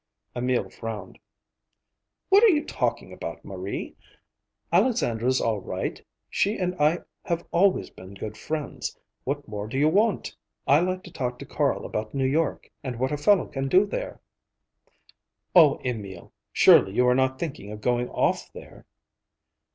Emil frowned. "What are you talking about, Marie? Alexandra's all right. She and I have always been good friends. What more do you want? I like to talk to Carl about New York and what a fellow can do there." "Oh, Emil! Surely you are not thinking of going off there?"